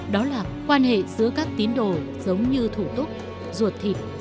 đó là quan hệ giữa các tín đồ giống như thủ tục ruột thịt